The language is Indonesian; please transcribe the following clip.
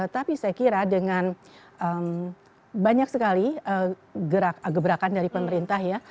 tapi saya kira dengan banyak sekali gebrakan dari pemerintah ya